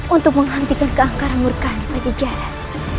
untuk menghentikan keangkaran murkaan yang ada di jalan